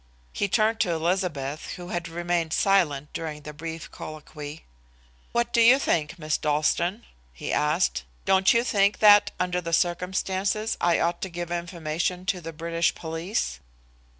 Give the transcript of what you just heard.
He turned to Elizabeth, who had remained silent during the brief colloquy. "What do you think, Miss Dalstan?" he asked. "Don't you think that, under the circumstances, I ought to give information to the British police?"